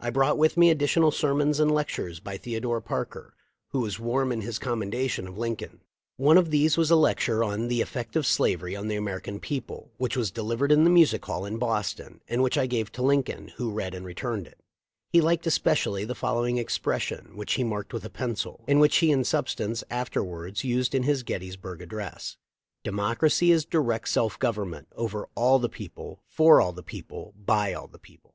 I brought with me additional sermons and lectures by Theodore Parker, who was warm in his commendation of Lincoln. One of these was a lecture on "The Effect of Slavery on the American People," which was delivered in the Music Hall in Boston, and which I gave to Lincoln, who read and returned it. He liked especially the following expression, which he marked with a pencil, and which he in substance afterwards used in his Gettysburg address : ''De mocracy is direct self government, over all the people, for all the people, by all the people."